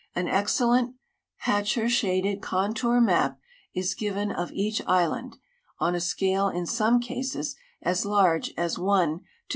An excellent hachnre shaded contour map is given of each island, on a scale in some cases as large as 1:25000.